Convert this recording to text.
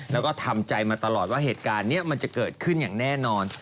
แล้วก็ทำใจมาตลอดว่าเหตุการณ์นี้มันจะเกิดขึ้นอย่างแน่นอน